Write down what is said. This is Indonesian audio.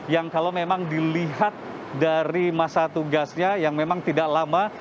yang kalau memang dilihat dari masa tugasnya yang memang tidak lama